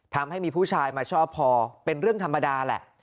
ทำให้มีผู้ชายมาชอบพอเป็นเรื่องธรรมดาแหละ